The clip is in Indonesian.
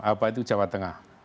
apa itu jawa tengah